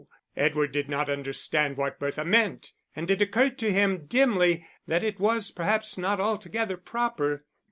Edward did not understand what Bertha meant, and it occurred to him dimly that it was perhaps not altogether proper.